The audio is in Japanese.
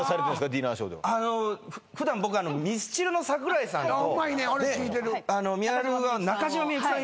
ディナーショーで普段僕あのミスチルの桜井さんとみはるは中島みゆきさん